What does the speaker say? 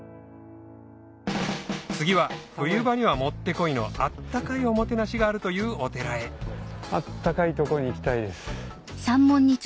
次は冬場にはもってこいの温かいおもてなしがあるというお寺へ暖かいとこに行きたいです。